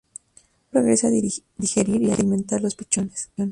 Luego regresa a digerir y a alimentar los pichones.